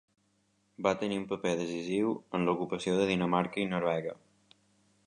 Va tenir un paper decisiu en l'ocupació de Dinamarca i Noruega.